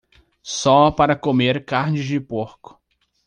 Só para comer carne de porco